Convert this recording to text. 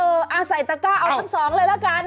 เออเอาใส่ตะก้าเอาทั้ง๒เลยละกัน